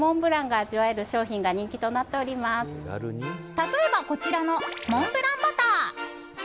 例えば、こちらのモンブランバター。